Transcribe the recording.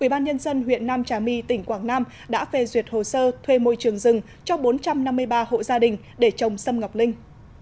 ubnd huyện nam trà my tỉnh quảng nam đã phê duyệt hồ sơ thuê môi trường rừng cho bốn trăm năm mươi ba hộ gia đình để trồng sâm ngọc linh